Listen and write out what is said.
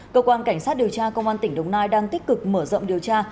cơ quan cảnh sát điều tra công an tỉnh đồng nai đang tích cực mở rộng điều tra